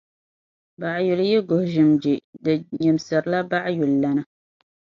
Baɣayuli yi guhi ʒim je, di nyimsirila baɣayulilana.